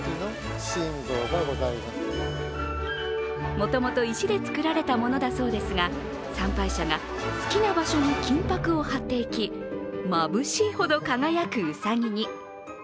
もともと石で作られたものだそうですが、参拝者が好きな場所に金ぱくを貼っていきまぶしいほど輝くうさぎに。